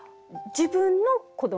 自分の子ども。